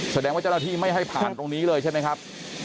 แสดงว่าเจ้าหน้าที่ไม่ให้ผ่านตรงนี้เลยใช่ไหมครับ